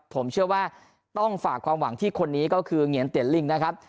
ผมเชื่อว่าต้องฝากความหวังที่คนนี้ก็คือเหงียนเตียนลิงนะครับ